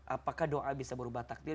apakah doa bisa berubah takdir